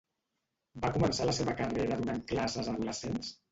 Va començar la seva carrera donant classes a adolescents?